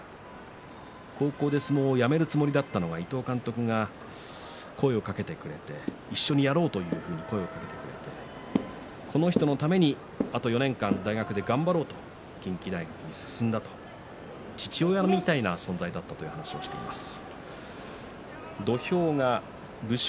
高校で相撲をやめるつもりだったのが伊東監督が一緒にやろうと声をかけてくれてこの人のためにあと４年間大学で頑張ろうと近畿大学に進んだと父親みたいな存在だということも話していました。